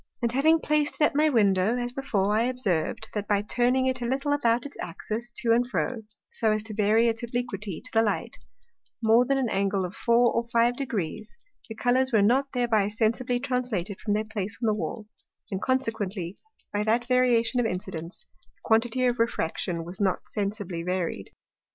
And having plac'd it at my Window, as before, I observ'd, that by turning it a little about its Axis to and fro, so as to vary its obliquity to the light, more than an Angle of four or five Degrees, the Colours were not thereby sensibly translated from their place on the Wall, and consequently by that Variation of Incidence, the quantity of Refraction was not sensibly varied.